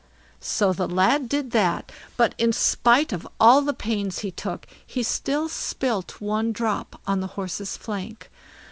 So the lad did that; but in spite of all the pains he took, he still spilt one drop on the horse's flank.